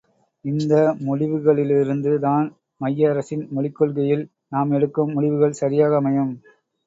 இந்த முடிவுகளிலிருந்து தான் மைய அரசின் மொழிக் கொள்கையில் நாம் எடுக்கும் முடிவுகள் சரியாக அமையும்!